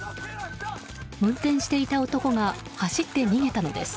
運転していた男が走って逃げたのです。